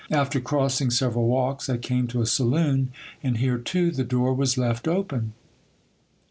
After crossing several walks, I came to a saloon, and here too the door was le t open.